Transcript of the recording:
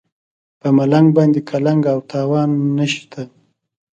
په ملنګ باندې قلنګ او تاوان نشته.